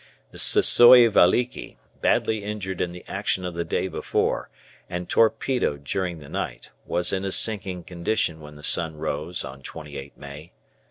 The "Sissoi Veliki," badly injured in the action of the day before, and torpedoed during the night, was in a sinking condition when the sun rose on 28 May.